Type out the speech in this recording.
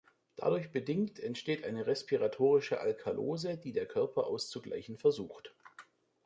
Dadurch bedingt, entsteht eine respiratorische Alkalose, die der Körper auszugleichen versucht.